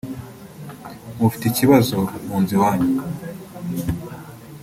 mufite ikibazo munzu iwanyu